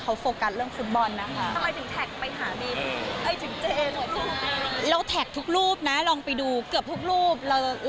เราแท็กทุกรูปนะลองไปดูเกือบทุกรูป